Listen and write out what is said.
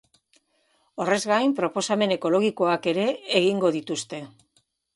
Horrez gain, proposamen ekologikoak ere gingo dituzte.